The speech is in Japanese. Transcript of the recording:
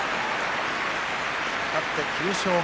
勝って９勝目。